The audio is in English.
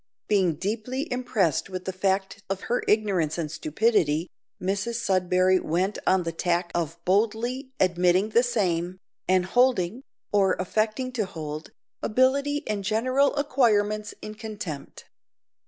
Being deeply impressed with the fact of her ignorance and stupidity, Mrs Sudberry went on the tack of boldly admitting the same, and holding, or affecting to hold, ability and general acquirements in contempt.